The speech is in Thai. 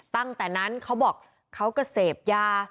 ตั้งแต่นั้นเขาบอกเขาก็เสพยา